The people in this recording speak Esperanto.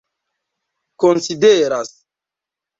konsideras